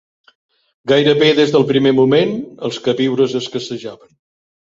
Gairebé des del primer moment els queviures escassejaven